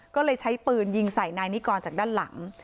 ก็เลยใช้ปืนยิงใส่นายนิกรจากด้านหลัง